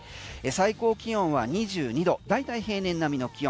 最高気温は２２度大体平年並みの気温。